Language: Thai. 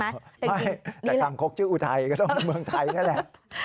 ไม่แต่คางคกชื่ออุทัยก็ต้องเมืองไทยนั่นแหละ